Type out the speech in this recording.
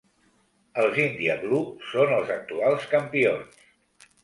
Els India Blue són els actuals campions.